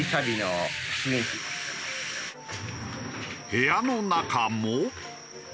部屋の中も。